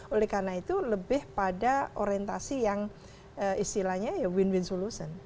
oleh karena itu lebih pada orientasi yang istilahnya ya win win solution